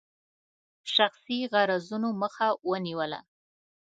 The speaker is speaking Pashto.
شخصي غرضونو مخه ونیوله.